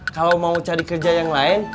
kalau mau cari kerja yang lain